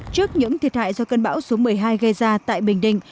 trước những thiệt hại do cơn bão số một mươi hai gây ra tại bình định